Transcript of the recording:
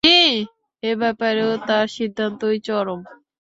এ ব্যাপারেও তার সিদ্ধান্তই চরম।